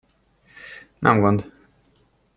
Nem gond.